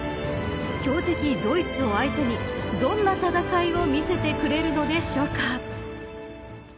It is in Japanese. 強敵ドイツを相手にどんな戦いを見せてくれるのでしょうか。